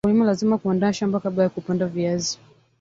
mkulima lazima kuandaa shamba kabla ya kupanda viazi